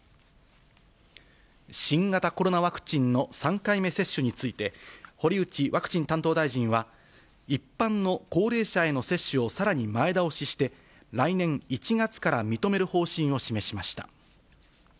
新型コロナワクチンの３回目接種について、堀内ワクチン担当大臣は、一般の高齢者への接種をさらに前倒しして、来年１月から認める方針を示しました。